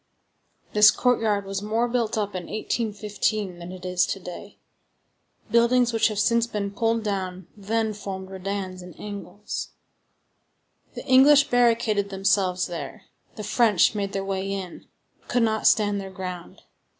This courtyard was more built up in 1815 than it is to day. Buildings which have since been pulled down then formed redans and angles. The English barricaded themselves there; the French made their way in, but could not stand their ground.